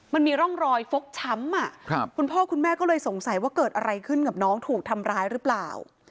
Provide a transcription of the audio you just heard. มันมีร่องรอยฟกช้ำคุณพ่อคุณแม่ก็เลยสงสัยว่าเกิดอะไรขึ้นกับน้องถูกทำร้ายหรือเปล่า